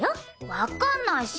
わかんないし！